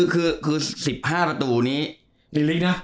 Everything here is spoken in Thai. คือ๑๕ประตูนี้